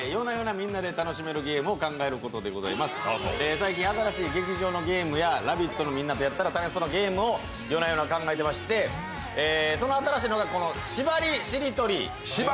最近、劇場でやるゲームや「ラヴィット！」でやったら楽しそうなゲームを夜な夜な考えてましてその新しいのが、このしばりしりとり。